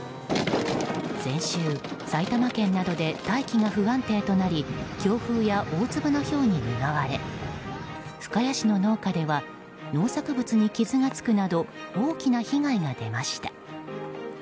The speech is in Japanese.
先週埼玉県などで大気が不安定となり強風や大粒のひょうに見舞われ深谷市の農家では農作物に傷がつくなど大きな被害が出ました。